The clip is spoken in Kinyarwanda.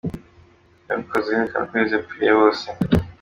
Yabikoze yerekana ko Yezu yapfiriye bose.